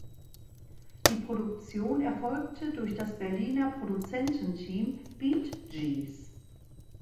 Die Produktion erfolgte durch das Berliner Produzententeam Beatgees.